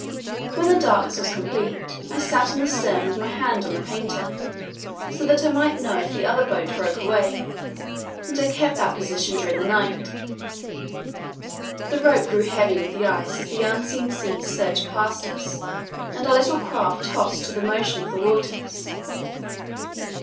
When the darkness was complete I sat in the stern with my hand on the painter, so that I might know if the other boat broke away, and I kept that position during the night. The rope grew heavy with the ice as the unseen seas surged past us and our little craft tossed to the motion of the waters.